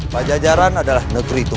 pak jajaran adalah negeri kita